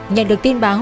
nhận được tin báo